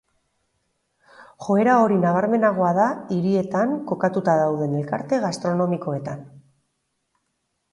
Joera hori nabarmenago da hirietan kokatuta dauden elkarte gastronomikoetan.